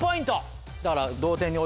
だから。